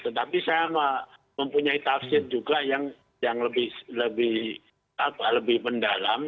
tetapi saya mempunyai tafsir juga yang lebih mendalam